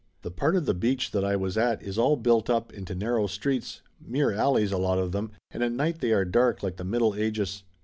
The part of the beach that I was at is all built up into narrow streets, mere alleys, a lot of them, and at night they are dark like the Middle Ages.